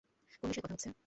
কোন বিষয়ে কথা হচ্ছে?